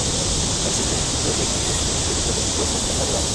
Existen multitud de ejemplos y de tipos de prototipos a escala real.